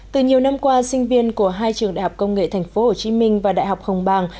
từ nhiều năm qua sinh viên của hai trường đại học công nghệ tp hcm và đại học hồng bàng